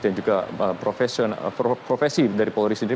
dan juga profesi dari polri sendiri